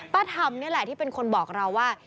ป้าธรรมนี่แหละที่เป็นคนบอกเราว่า